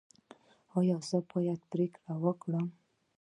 ایا زه باید پریکړه وکړم؟